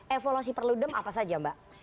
evaluasi perlu dem apa saja mbak